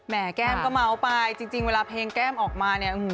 แก้มก็เมาส์ไปจริงเวลาเพลงแก้มออกมาเนี่ย